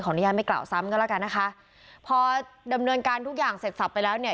อนุญาตไม่กล่าวซ้ำกันแล้วกันนะคะพอดำเนินการทุกอย่างเสร็จสับไปแล้วเนี่ย